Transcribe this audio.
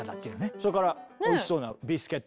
それからおいしそうなビスケット。